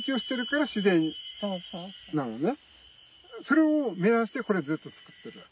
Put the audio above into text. それを目指してこれずっと造ってるわけ。